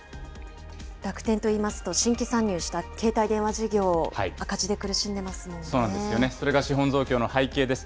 楽天といいますと、新規参入した携帯電話事業、赤字で苦しんそうなんですよね、それが資本増強の背景です。